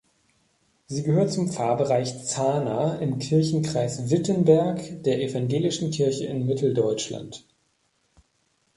Sie gehört zum Pfarrbereich Zahna im Kirchenkreis Wittenberg der Evangelischen Kirche in Mitteldeutschland.